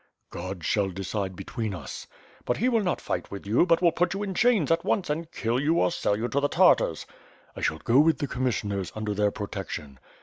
"God shall decide between us." "But he will not fight with you, but will put you in chains at once and kill you or sell you to the Tartars." "I shall go with the commissioners, under their protec tion."